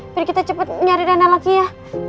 biar kita cepet nyari rina lagi ya